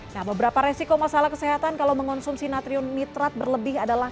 nah beberapa resiko masalah kesehatan kalau mengonsumsi natrium nitrat berlebih adalah